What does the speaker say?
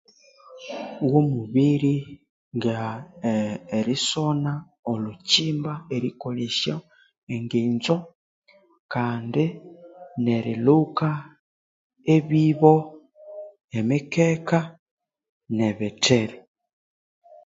Womubiri nga e erisona olhukyimba erikolesya enginzo kandi nerilhuka ebibo, emikeka nebithiri.